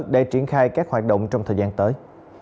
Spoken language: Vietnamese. để triển khai các hoạt động trong thời gian tới